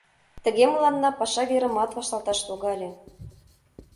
Тыге мыланна паша верымат вашталташ логале.